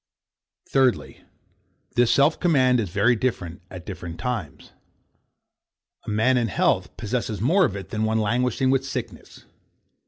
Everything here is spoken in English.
Thirdly, This self command is very different at different times. A man in health possesses more of it than one languishing with sickness.